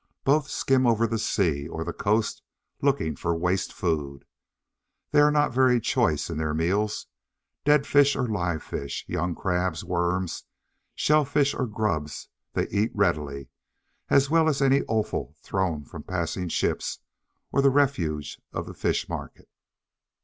Both skim over the sea, or the coast, looking for waste food. They are not very "choice" in their meals; dead fish or live fish, young crabs, worms, shell fish or grubs they eat readily, as well as any offal thrown from passing ships, or the refuse of the fish market.